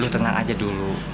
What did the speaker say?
lu tenang aja dulu